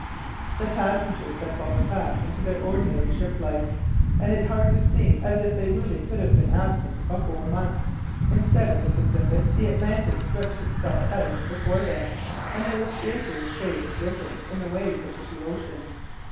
The passengers had fallen back into their ordinary ship life, and it hardly seemed as if they really could have been absent a whole month. Instead of the Pacific, the Atlantic stretched itself out before them, and there was scarcely a shade of difference in the waves of the two oceans.